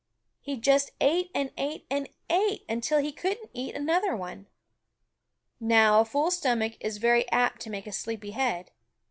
He just ate and ate and ate until he couldn't eat another one. Now a full stomach is very apt to make a sleepy head.